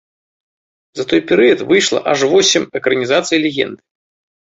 За той перыяд выйшла аж восем экранізацый легенды.